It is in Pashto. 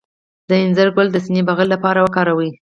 د انځر ګل د سینه بغل لپاره وکاروئ